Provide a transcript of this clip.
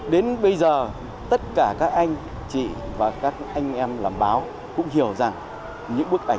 đến bây giờ tất cả các anh chị và các anh em làm báo cũng hiểu rằng những bức ảnh